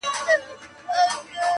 پر ازل مي غم امیر جوړ کړ ته نه وې!